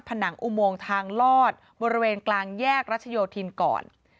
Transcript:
ผนังอุโมงทางลอดบริเวณกลางแยกรัชโยธินก่อน